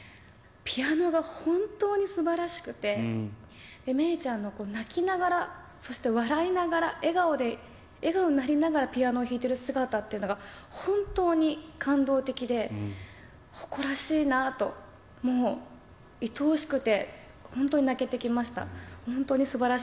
ピアノが本当にすばらしくて、芽郁ちゃんの泣きながら、そして笑いながら、笑顔で、笑顔になりながらピアノを弾いている姿っていうのが、本当に感動的で、誇らしいなと、もういとおしくて、本当に泣けてきました。